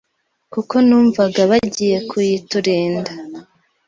kuko numvaga bagiye kuyiturinda